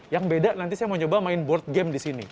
yang beda nanti saya mau coba main board game di sini